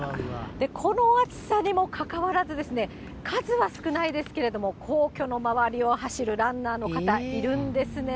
この暑さにもかかわらず、数は少ないですけれども、皇居の周りを走るランナーの方、いるんですね。